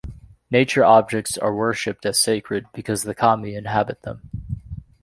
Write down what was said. Nature objects are worshipped as sacred, because the kami inhabit them.